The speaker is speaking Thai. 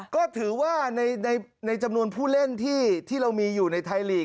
ก็ถือว่าในจำนวนผู้เล่นที่เรามีอยู่ในไทยลีก